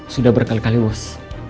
sudah berkali kali bos